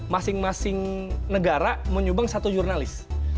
masing masing negara menyubang satu jurnalis